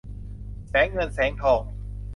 แสงเงินแสงทอง